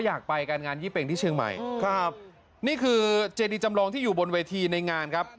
อยากไปการงานยี่เป็งที่เชียงใหม่ครับนี่คือเจดีจำลองที่อยู่บนเวทีในงานครับ